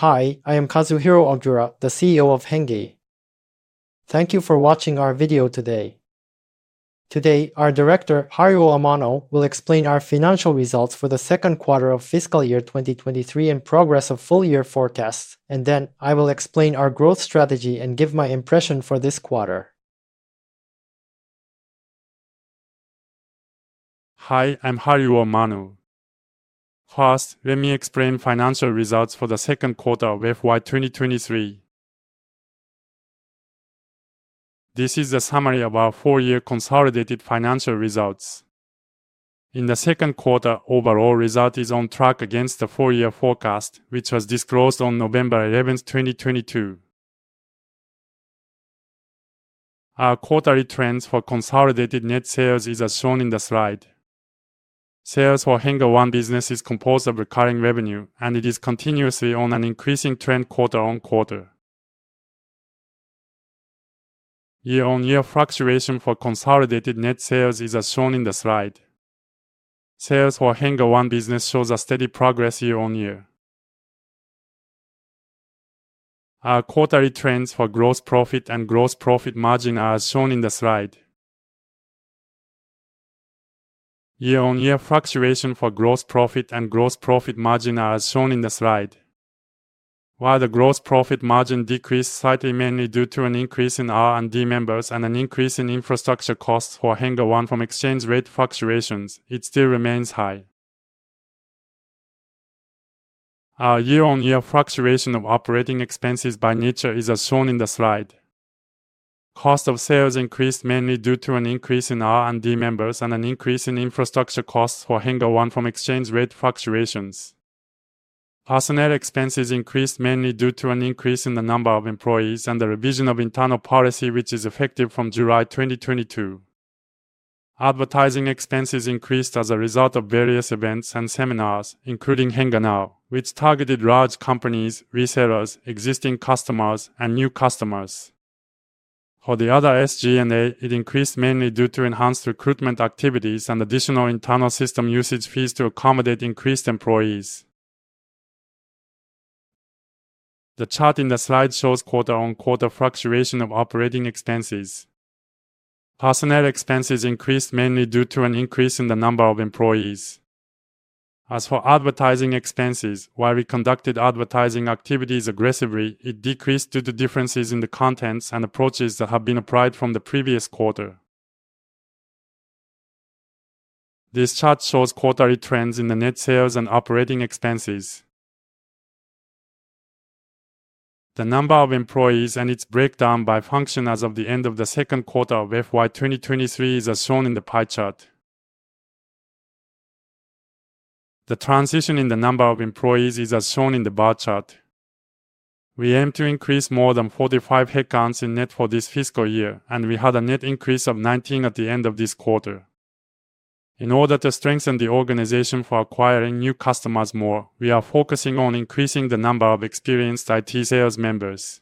Hi, I am Kazuhiro Ogura, the CEO of HENNGE. Thank you for watching our video today. Today, our Director, Haruo Amano, will explain our financial results for the second quarter of fiscal year 2023 and progress of full year forecasts. Then I will explain our growth strategy and give my impression for this quarter. Hi, I'm Haruo Amano. First, let me explain financial results for the second quarter of FY 2023. This is a summary of our full year consolidated financial results. In the second quarter, overall result is on track against the full year forecast, which was disclosed on November 11, 2022. Our quarterly trends for consolidated net sales is as shown in the slide. Sales for HENNGE One business is composed of recurring revenue. It is continuously on an increasing trend quarter-over-quarter. Year-over-year fluctuation for consolidated net sales is as shown in the slide. Sales for HENNGE One business shows a steady progress year-over-year. Our quarterly trends for gross profit and gross profit margin are as shown in the slide. Year-over-year fluctuation for gross profit and gross profit margin are as shown in the slide. While the gross profit margin decreased slightly mainly due to an increase in R&D members and an increase in infrastructure costs for HENNGE One from exchange rate fluctuations, it still remains high. Our year-over-year fluctuation of operating expenses by nature is as shown in the slide. Cost of sales increased mainly due to an increase in R&D members and an increase in infrastructure costs for HENNGE One from exchange rate fluctuations. Personnel expenses increased mainly due to an increase in the number of employees and the revision of internal policy which is effective from July 2022. Advertising expenses increased as a result of various events and seminars, including HENNGE Now, which targeted large companies, resellers, existing customers, and new customers. For the other SG&A, it increased mainly due to enhanced recruitment activities and additional internal system usage fees to accommodate increased employees. The chart in the slide shows quarter-on-quarter fluctuation of operating expenses. Personnel expenses increased mainly due to an increase in the number of employees. As for advertising expenses, while we conducted advertising activities aggressively, it decreased due to differences in the contents and approaches that have been applied from the previous quarter. This chart shows quarterly trends in the net sales and operating expenses. The number of employees and its breakdown by function as of the end of the second quarter of FY 2023 is as shown in the pie chart. The transition in the number of employees is as shown in the bar chart. We aim to increase more than 45 headcounts in net for this fiscal year, and we had a net increase of 19 at the end of this quarter. In order to strengthen the organization for acquiring new customers more, we are focusing on increasing the number of experienced IT sales members.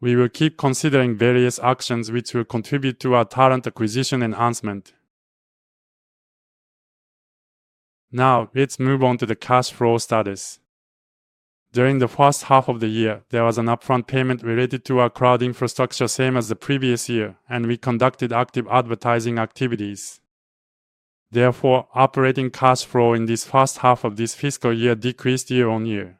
We will keep considering various actions which will contribute to our talent acquisition enhancement. Let's move on to the cash flow status. During the first half of the year, there was an upfront payment related to our cloud infrastructure, same as the previous year, and we conducted active advertising activities. Operating cash flow in this first half of this fiscal year decreased year-on-year.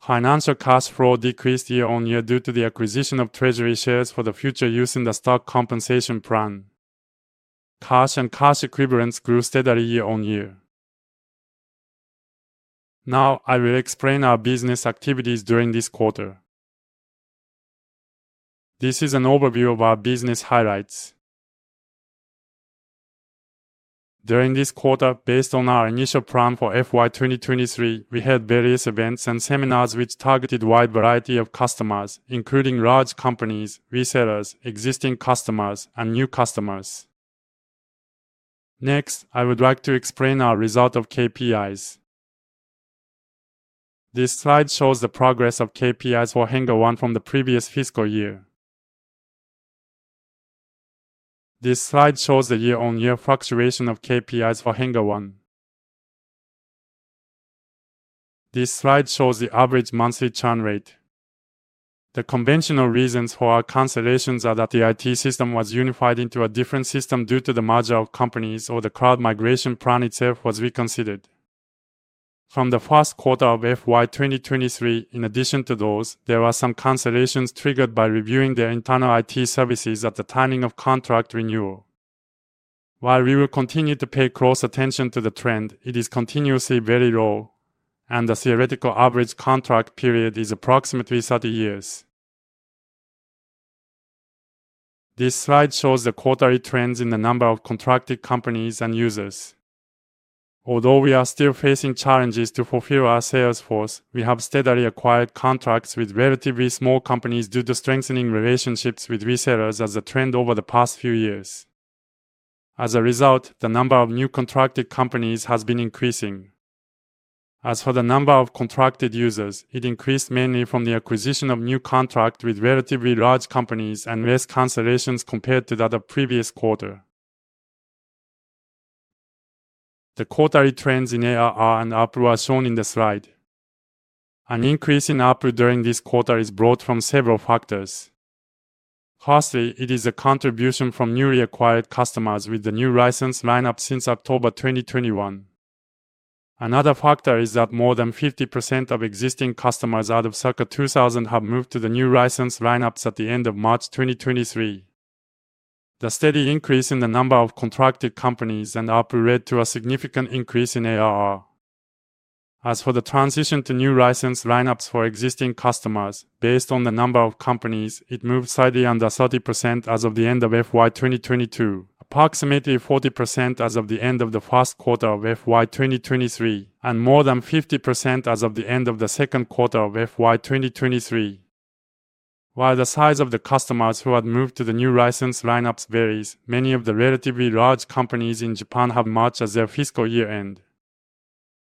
Financial cash flow decreased year-on-year due to the acquisition of treasury shares for the future use in the stock compensation plan. Cash and cash equivalents grew steadily year-on-year. I will explain our business activities during this quarter. This is an overview of our business highlights. During this quarter, based on our initial plan for FY 2023, we held various events and seminars which targeted wide variety of customers, including large companies, resellers, existing customers, and new customers. Next, I would like to explain our result of KPIs. This slide shows the progress of KPIs for HENNGE One from the previous fiscal year. This slide shows the year-on-year fluctuation of KPIs for HENNGE One. This slide shows the average monthly churn rate. The conventional reasons for our cancellations are that the IT system was unified into a different system due to the merger of companies or the cloud migration plan itself was reconsidered. From the first quarter of FY 2023, in addition to those, there are some cancellations triggered by reviewing their internal IT services at the timing of contract renewal. While we will continue to pay close attention to the trend, it is continuously very low, and the theoretical average contract period is approximately 30 years. This slide shows the quarterly trends in the number of contracted companies and users. Although we are still facing challenges to fulfill our sales force, we have steadily acquired contracts with relatively small companies due to strengthening relationships with resellers as a trend over the past few years. As a result, the number of new contracted companies has been increasing. As for the number of contracted users, it increased mainly from the acquisition of new contract with relatively large companies and less cancellations compared to that of previous quarter. The quarterly trends in ARR and ARPU are shown in the slide. An increase in ARPU during this quarter is brought from several factors. Firstly, it is a contribution from newly acquired customers with the new license lineup since October 2021. Another factor is that more than 50% of existing customers out of circa 2,000 have moved to the new license lineups at the end of March 2023. The steady increase in the number of contracted companies and ARPU led to a significant increase in ARR. As for the transition to new license lineups for existing customers, based on the number of companies, it moved slightly under 30% as of the end of FY 2022, approximately 40% as of the end of the first quarter of FY 2023, and more than 50% as of the end of the second quarter of FY 2023. While the size of the customers who had moved to the new license lineups varies, many of the relatively large companies in Japan have March as their fiscal year end.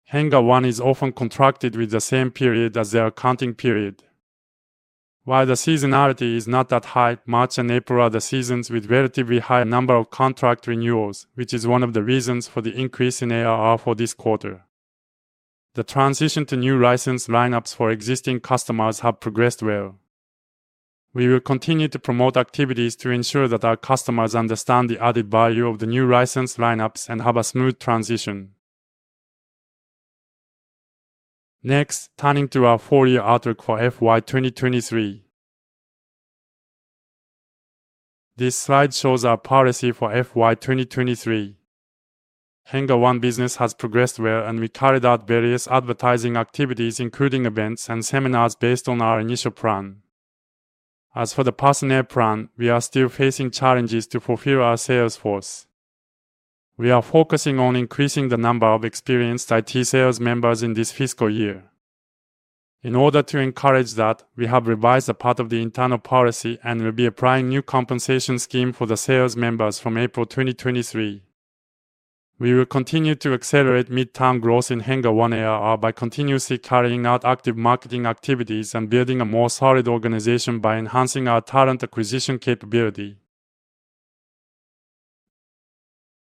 HENNGE One is often contracted with the same period as their accounting period. While the seasonality is not that high, March and April are the seasons with relatively high number of contract renewals, which is one of the reasons for the increase in ARR for this quarter. The transition to new license lineups for existing customers have progressed well. We will continue to promote activities to ensure that our customers understand the added value of the new license lineups and have a smooth transition. Turning to our full year outlook for FY 2023. This slide shows our policy for FY 2023. HENNGE One business has progressed well. We carried out various advertising activities, including events and seminars based on our initial plan. As for the personnel plan, we are still facing challenges to fulfill our sales force. We are focusing on increasing the number of experienced IT sales members in this fiscal year. In order to encourage that, we have revised a part of the internal policy and will be applying new compensation scheme for the sales members from April 2023. We will continue to accelerate midterm growth in HENNGE One ARR by continuously carrying out active marketing activities and building a more solid organization by enhancing our talent acquisition capability.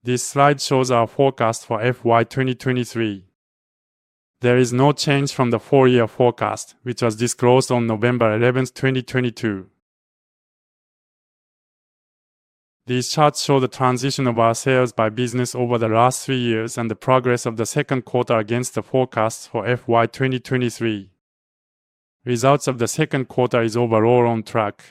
This slide shows our forecast for FY 2023. There is no change from the full year forecast, which was disclosed on November 11, 2022. These charts show the transition of our sales by business over the last three years and the progress of the second quarter against the forecast for FY 2023. Results of the second quarter is overall on track.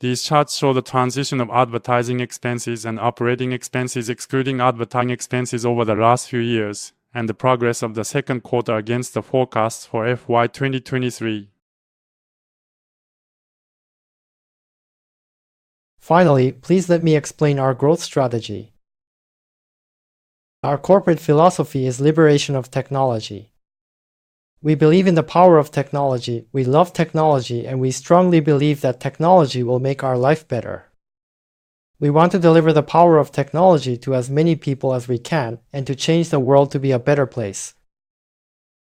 These charts show the transition of advertising expenses and operating expenses, excluding advertising expenses over the last few years, and the progress of the second quarter against the forecast for FY 2023. Finally, please let me explain our growth strategy. Our corporate philosophy is Liberation of Technology. We believe in the power of technology. We love technology, and we strongly believe that technology will make our life better. We want to deliver the power of technology to as many people as we can and to change the world to be a better place.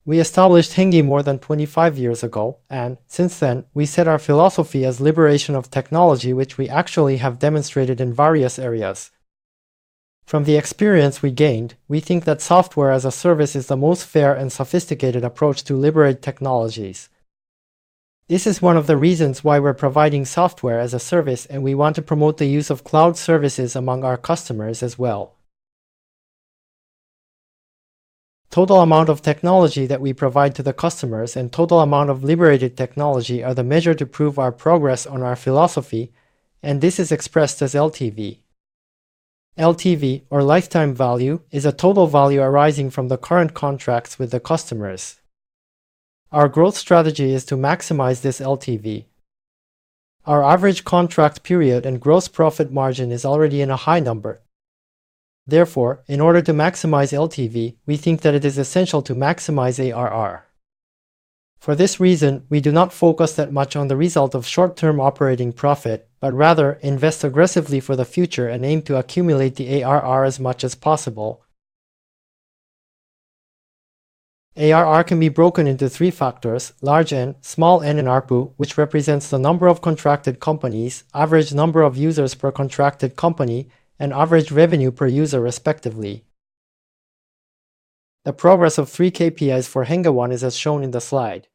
We established HENNGE more than 25 years ago, and since then we set our philosophy as Liberation of Technology, which we actually have demonstrated in various areas. From the experience we gained, we think that Software as a Service is the most fair and sophisticated approach to liberate technologies. This is one of the reasons why we're providing Software as a Service, and we want to promote the use of cloud services among our customers as well. Total amount of technology that we provide to the customers and total amount of liberated technology are the measure to prove our progress on our philosophy, and this is expressed as LTV. LTV or lifetime value is a total value arising from the current contracts with the customers. Our growth strategy is to maximize this LTV. Our average contract period and gross profit margin is already in a high number. Therefore, in order to maximize LTV, we think that it is essential to maximize ARR. For this reason, we do not focus that much on the result of short term operating profit, but rather invest aggressively for the future and aim to accumulate the ARR as much as possible. ARR can be broken into three factors: large N, small n and ARPU, which represents the number of contracted companies, average number of users per contracted company and average revenue per user respectively. The progress of three KPIs for HENNGE One is as shown in the slide.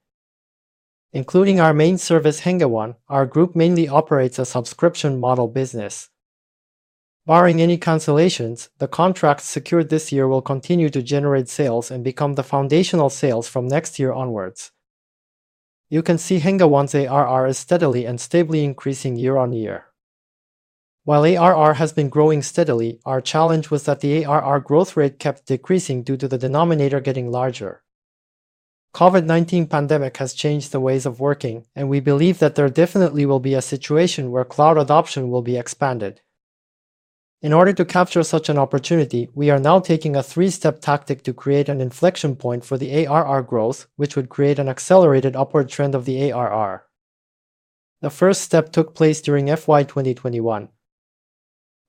Including our main service, HENNGE One, our HENNGE group mainly operates a subscription model business. Barring any cancellations, the contracts secured this year will continue to generate sales and become the foundational sales from next year onwards. You can see HENNGE One's ARR is steadily and stably increasing year-over-year. While ARR has been growing steadily, our challenge was that the ARR growth rate kept decreasing due to the denominator getting larger. COVID-19 pandemic has changed the ways of working. We believe that there definitely will be a situation where cloud adoption will be expanded. In order to capture such an opportunity, we are now taking a three-step tactic to create an inflection point for the ARR growth, which would create an accelerated upward trend of the ARR. The first step took place during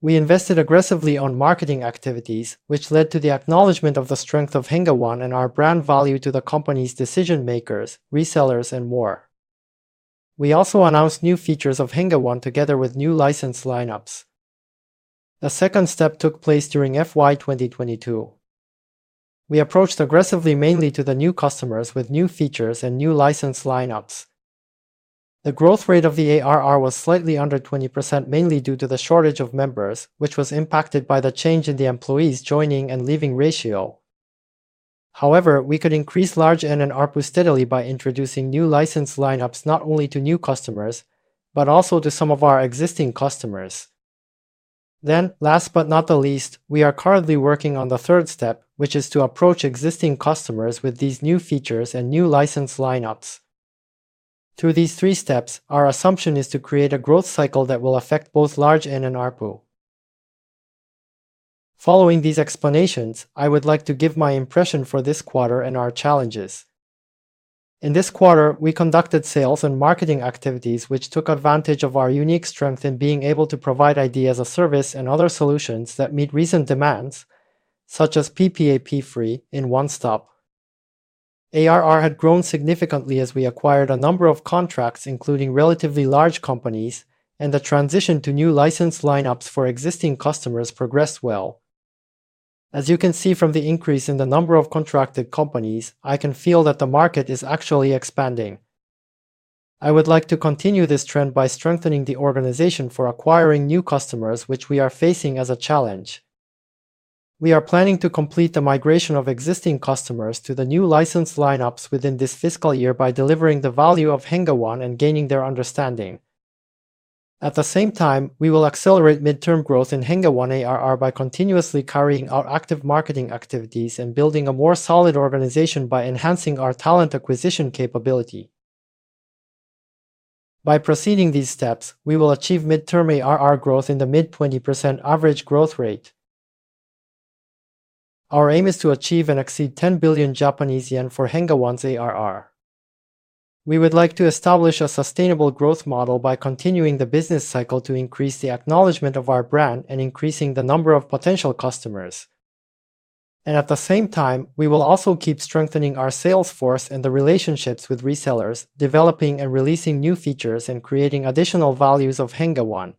FY 2021. We invested aggressively on marketing activities, which led to the acknowledgement of the strength of HENNGE One and our brand value to the company's decision makers, resellers and more. We also announced new features of HENNGE One together with new license lineups. The second step took place during FY 2022. We approached aggressively mainly to the new customers with new features and new license lineups. The growth rate of the ARR was slightly under 20% mainly due to the shortage of members, which was impacted by the change in the employees joining and leaving ratio. We could increase large N and ARPU steadily by introducing new license lineups not only to new customers, but also to some of our existing customers. Last but not the least, we are currently working on the third step, which is to approach existing customers with these new features and new license lineups. Through these three steps, our assumption is to create a growth cycle that will affect both large N and ARPU. Following these explanations, I would like to give my impression for this quarter and our challenges. In this quarter, we conducted sales and marketing activities which took advantage of our unique strength in being able to provide ID as a service and other solutions that meet recent demands, such as PPAP-free in one stop. ARR had grown significantly as we acquired a number of contracts, including relatively large companies, and the transition to new license lineups for existing customers progressed well. As you can see from the increase in the number of contracted companies, I can feel that the market is actually expanding. I would like to continue this trend by strengthening the organization for acquiring new customers, which we are facing as a challenge. We are planning to complete the migration of existing customers to the new license lineups within this fiscal year by delivering the value of HENNGE One and gaining their understanding. At the same time, we will accelerate midterm growth in HENNGE One ARR by continuously carrying out active marketing activities and building a more solid organization by enhancing our talent acquisition capability. By proceeding these steps, we will achieve midterm ARR growth in the mid-20% average growth rate. Our aim is to achieve and exceed 10 billion Japanese yen for HENNGE One's ARR. We would like to establish a sustainable growth model by continuing the business cycle to increase the acknowledgement of our brand and increasing the number of potential customers. At the same time, we will also keep strengthening our sales force and the relationships with resellers, developing and releasing new features, and creating additional values of HENNGE One.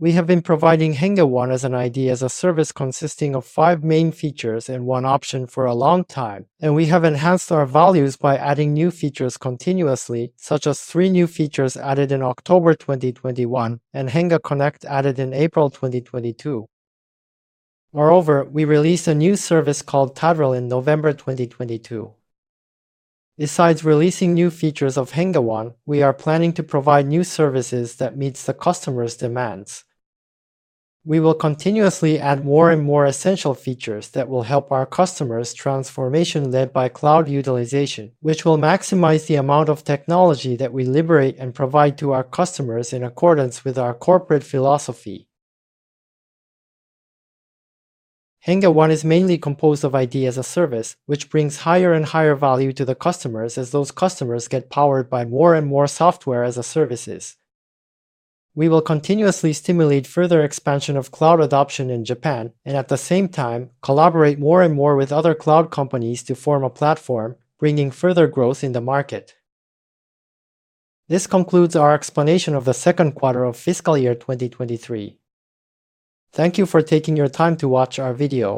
We have been providing HENNGE One as an ID as a service consisting of five main features and one option for a long time, and we have enhanced our values by adding new features continuously, such as three new features added in October 2021 and HENNGE Connect added in April 2022. We released a new service called tadrill in November 2022. Besides releasing new features of HENNGE One, we are planning to provide new services that meets the customers' demands. We will continuously add more and more essential features that will help our customers' transformation led by cloud utilization, which will maximize the amount of technology that we liberate and provide to our customers in accordance with our corporate philosophy. HENNGE One is mainly composed of ID as a service, which brings higher and higher value to the customers as those customers get powered by more and more Software as a Service. We will continuously stimulate further expansion of cloud adoption in Japan, and at the same time, collaborate more and more with other cloud companies to form a platform, bringing further growth in the market. This concludes our explanation of the second quarter of FY 2023. Thank you for taking your time to watch our video.